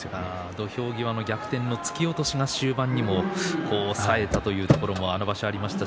土俵際の逆転の突き落としが終盤にもあったというのがありました。